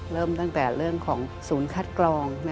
เริ่มตั้งแต่เรื่องของศูนย์คัดกรอง